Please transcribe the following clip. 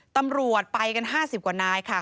ตำรวจไปกันห้าสิบกว่านายค่ะ